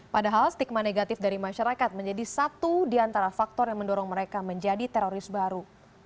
padahal stigma negatif dari masyarakat menjadi satu di antara faktor yang mendorong mereka menjadi teroris baru